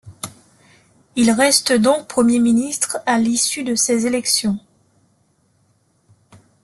Il reste donc Premier ministre à l'issue de ces élections.